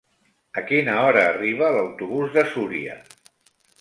A quina hora arriba l'autobús de Súria?